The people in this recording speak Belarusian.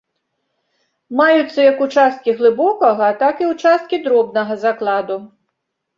Маюцца як ўчасткі глыбокага, так і ўчасткі дробнага закладу.